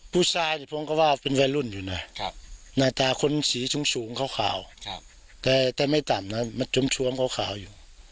ผู้ชายผมก็ว่าเป็นวัยรุ่นอยู่นะหน้าตาคนสีสูงขาวแต่ไม่ต่ำนะมันจมขาวอยู่